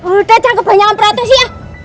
udah jangan kebanyakan protes ya